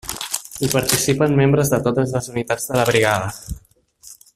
Hi participen membres de totes les unitats de la Brigada.